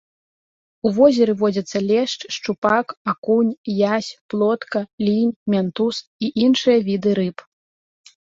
У возеры водзяцца лешч, шчупак, акунь, язь, плотка, лінь, мянтуз і іншыя віды рыб.